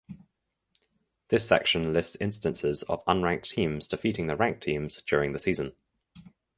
This section lists instances of unranked teams defeating ranked teams during the season.